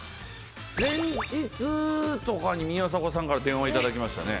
前日とかに、宮迫さんから電話頂きましたね。